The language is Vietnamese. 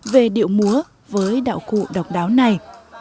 về điệu múa với đạo cụ độc đáo này